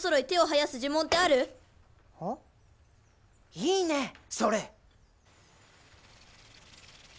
いいねそれ！